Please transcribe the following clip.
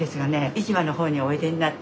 市場のほうにおいでになって。